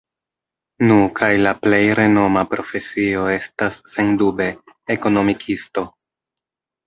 Nu, kaj la plej renoma profesio estas, sendube, Ekonomikisto.